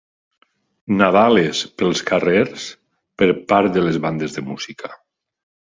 Nadales pels carrers per part de les bandes de música.